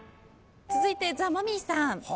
続いてザ・マミィさん。